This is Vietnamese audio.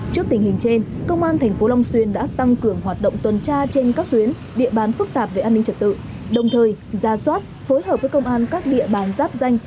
trước tình hình trên công an tp long xuyên đã tăng cường hoạt động tuần tra trên các tuyến địa bàn phức tạp về an ninh trật tự đồng thời ra soát phối hợp với công an các địa bàn giáp danh